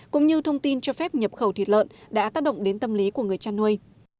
cũng như thông tin cho phép nhập khẩu thịt lợn đã tác động đến tâm lý của người chăn nuôi